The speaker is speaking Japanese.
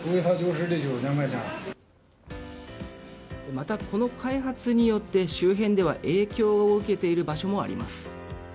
また、この開発によって周辺では影響を受けている場所もあります。